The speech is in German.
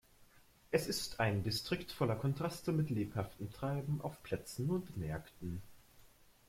Es ist ein Distrikt voller Kontraste mit lebhaftem Treiben auf Plätzen und Märkten.